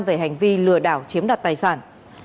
về hành vi lừa đảo chiếm đoạt tài sản